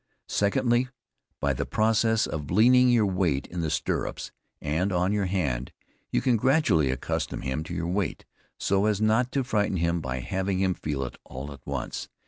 Secondly, by the process of leaning your weight in the stirrups, and on your hand, you can gradually accustom him to your weight, so as not to frighten him by having him feel it all at once.